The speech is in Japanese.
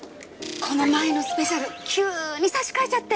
この前のスペシャル急に差し替えちゃって。